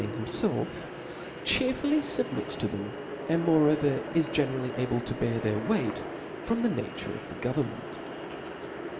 13, ihg himffclf, chearfully fubmics to them, and more *"^'♦• over is generally able to bear their weight, from the nature of the government.